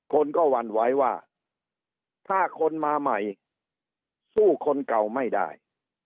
คนก็หวั่นไหวว่าถ้าคนมาใหม่สู้คนเก่าไม่ได้